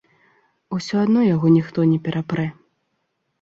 Усё адно яго ніхто не перапрэ.